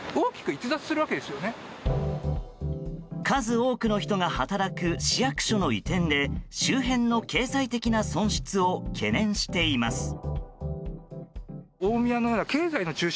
数多くの人が働く市役所の移転で周辺の経済的な損失を懸念しています。